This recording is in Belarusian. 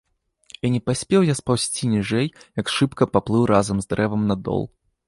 І не паспеў я спаўзці ніжэй, як шыбка паплыў разам з дрэвам на дол.